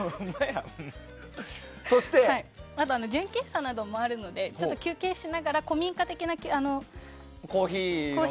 あと、純喫茶などもあるので休憩しながら古民家的なコーヒーとか。